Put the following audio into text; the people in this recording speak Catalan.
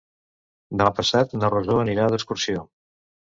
Demà passat na Rosó anirà d'excursió.